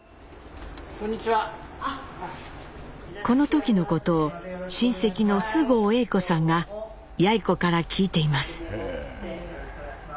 この時のことを親戚の菅生栄子さんがやい子から聞いています。